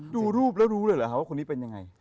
ดูรูปแล้วรู้เลยเหรอคะว่าคนนี้เป็นยังไง